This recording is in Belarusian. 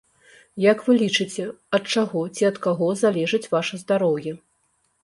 Як вы лічыце, ад чаго ці ад каго залежыць ваша здароўе?